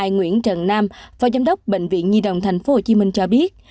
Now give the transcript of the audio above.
nguyễn trần nam phó giám đốc bệnh viện nhi đồng tp hcm cho biết